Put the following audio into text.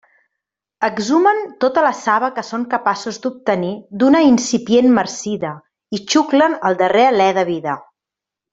Exhumen tota la saba que són capaços d'obtenir d'una incipient marcida i xuclen el darrer alé de vida.